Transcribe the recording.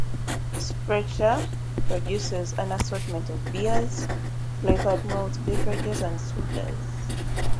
Sprecher produces an assortment of beers, flavored malt beverages and sodas.